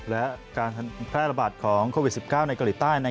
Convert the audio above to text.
และการแพร่ระบาดของโควิด๑๙ในเกาหลีใต้